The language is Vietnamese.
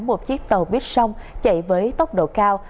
một chiếc tàu viết sông chạy với tốc độ cao